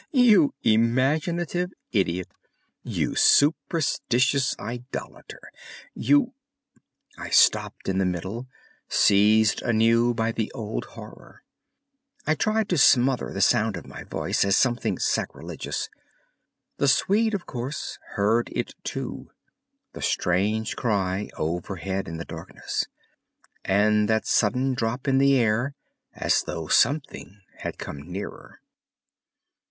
"You imaginative idiot! You superstitious idolater! You—" I stopped in the middle, seized anew by the old horror. I tried to smother the sound of my voice as something sacrilegious. The Swede, of course, heard it too—the strange cry overhead in the darkness—and that sudden drop in the air as though something had come nearer.